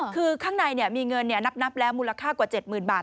คือข้างในมีเงินนับแล้วมูลค่ากว่า๗๐๐บาท